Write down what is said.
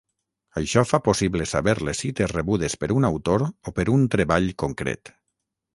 Això fa possible saber les cites rebudes per un autor o per un treball concret.